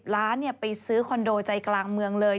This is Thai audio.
ร้านไปซื้อคอนโดใจกลางเมืองเลย